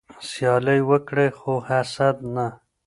سیالي وکړئ خو حسد نه.